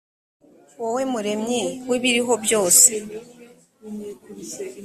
wowe muremyi w ibiriho byose